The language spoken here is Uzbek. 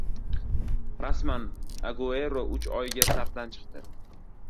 Rasman: Aguero uch oyga safdan chiqdi